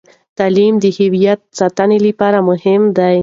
تعلیم د هویتي ساتنې لپاره مهم دی.